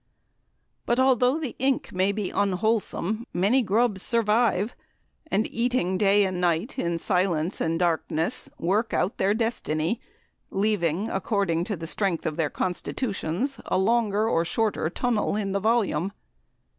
But, although the ink may be unwholesome, many grubs survive, and, eating day and night in silence and darkness, work out their destiny leaving, according to the strength of their constitutions, a longer or shorter tunnel in the volume.